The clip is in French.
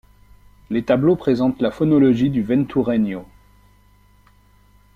Les tableaux présentent la phonologie du ventureño.